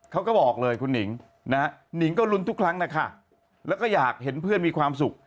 เขาบอกเลยคุณหนิงนะฮะหนิงก็ลุ้นทุกครั้งนะคะแล้วก็อยากเห็นเพื่อนมีความสุข